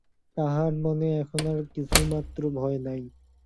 তাহার মনে এখন আর কিছুমাত্র ভয় নাই।